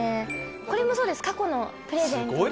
これもそうです過去のプレゼントで。